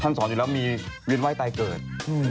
สอนอยู่แล้วมีเวียนไห้ตายเกิด